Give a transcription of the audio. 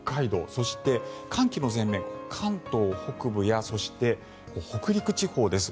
そして、寒気の前面関東北部やそして北陸地方です。